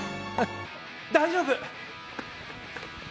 大丈夫！